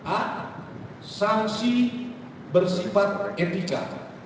a sanksi bersifat etika